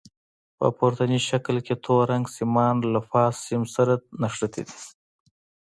په پورتني شکل کې تور رنګ سیمان له فاز سیم سره نښتي دي.